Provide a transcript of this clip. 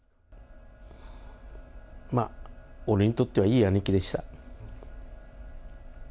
まあ、俺にとってはいい兄貴でした。